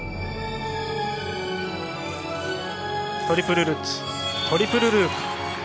トリプルルッツトリプルループ。